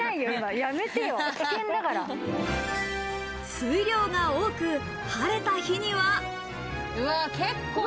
水量が多く、晴れた日には。